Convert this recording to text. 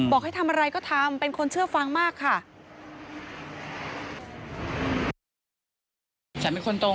บอกให้ทำอะไรก็ทำเป็นคนเชื่อฟังมากค่ะ